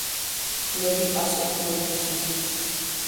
ძმები ასეც მოიქცნენ.